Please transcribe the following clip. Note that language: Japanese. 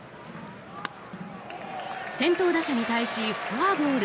先頭打者に対しフォアボール。